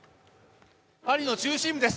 パリの中心部です。